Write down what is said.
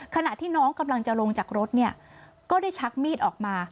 ขณะที่น้องกำลังจะลงจากรถเนี่ยก็ได้ชักมีดออกมา